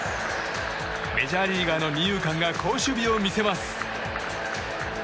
メジャーリーガーの二遊間が好守備を見せます。